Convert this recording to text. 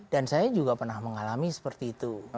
dan saya juga pernah mengalami seperti itu